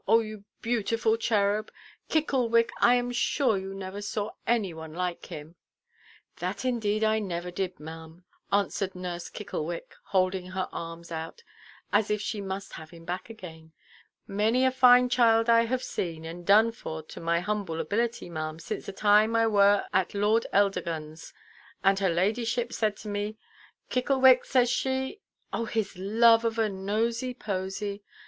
O you beautiful cherub! Kicklewick, I am sure you never saw any one like him." "That indeed I never did, maʼam," answered nurse Kicklewick, holding her arms out, as if she must have him back again; "many a fine child I have seen, and done for to my humble ability, maʼam, since the time I were at Lord Eldergunʼs; and her ladyship said to me—ʼKicklewick,' says she——" "Oh, his love of a nosey–posey!